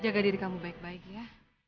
jaga diri kamu baik baik ya